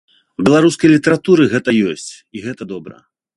У беларускай літаратуры гэта ёсць, і гэта добра.